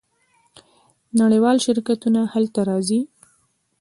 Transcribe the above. نړیوال شرکتونه هلته راځي.